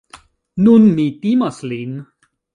Nun, mi timas lin.